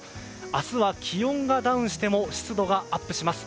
明日は気温がダウンしても湿度がアップします。